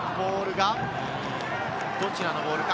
どちらのボールか？